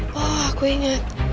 wah aku ingat